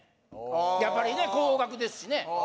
やっぱりね高額ですしね